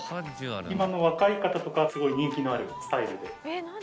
今の若い方とかすごい人気のあるスタイルで。